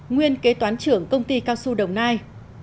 nguyên kế toán trưởng công ty cao su đồng nai